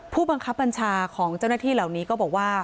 ผู้บังคับบัญชาของเจ้าหน้าที่เหล่านี้ก็บอกว่า